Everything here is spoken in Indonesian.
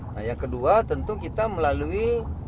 nah yang kedua tentu kita melalui